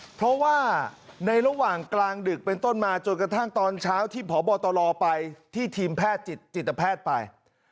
เพราะว่าในระหว่างกลางดึกเป็นต้นมาจนกระทั่งตอนเช้าที่พบตรไปที่ทีมแพทย์จิตแพทย์ไป